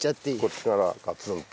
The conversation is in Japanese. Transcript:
こっちからガツンと。